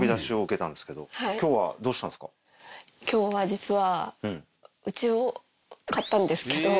今日は実は。